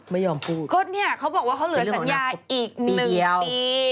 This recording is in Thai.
ไม่ยอมพูดก็เนี่ยเขาบอกว่าเขาเหลือสัญญาอีกหนึ่งปี